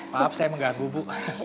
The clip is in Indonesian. maaf saya mengganggu bu